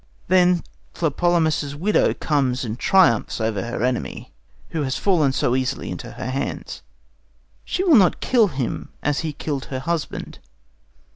Then Tlepolemus's widow comes and triumphs over her enemy, who has fallen so easily into her hands. She will not kill him as he killed her husband.